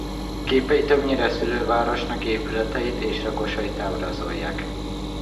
Képei többnyire szülővárosnak épületeit és lakosait ábrázolják.